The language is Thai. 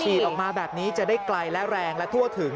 ออกมาแบบนี้จะได้ไกลและแรงและทั่วถึง